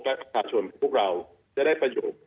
และประชาชนพวกเราจะได้ประโยชน์